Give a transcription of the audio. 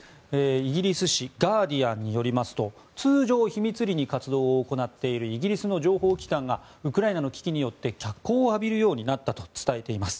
イギリス紙ガーディアンによりますと通常、秘密裏に活動を行っているイギリスの情報機関がウクライナの危機によって脚光を浴びるようになったと伝えています。